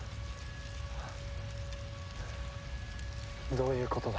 どういうことだ？